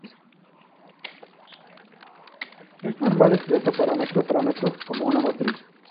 Es normal expresar los cuatro parámetros como una matriz.